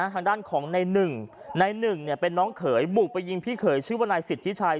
ทางด้านของในหนึ่งในหนึ่งเป็นน้องเขยบุกไปยิงพี่เขยชื่อว่านายสิทธิชัย